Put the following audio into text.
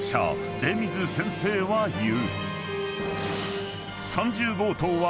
出水先生は言う］